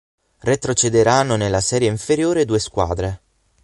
Retrocederanno nella serie inferiore due squadre.